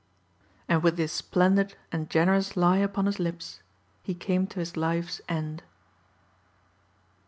And with this splendid and generous lie upon his lips he came to his life's end.